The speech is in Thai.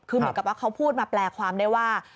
คือเหมือนกับว่าเขาพูดมาแปลความได้ว่า